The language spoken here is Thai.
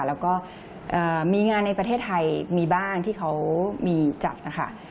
แล้วก็มีงานในประเทศไทยมีบ้างที่เขามีจัดนะคะ